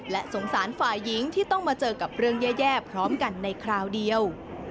และสงสารฝ่ายหญิงที่ต้องมาเจอกับเรื่องแย่พร้อมกันในคราวเดียว